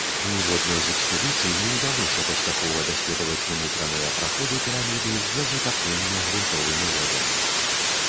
Ніводнай з экспедыцый не ўдалося паспяхова даследаваць унутраныя праходы піраміды з-за затаплення грунтавымі водамі.